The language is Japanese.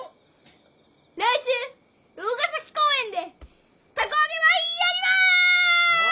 来週魚ヶ崎公園で凧あげばやります！